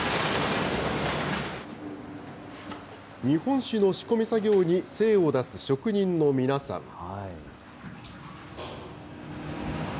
日本酒の仕込み作業に精を出す職人の皆さん。